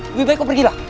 lebih baik lo pergi lah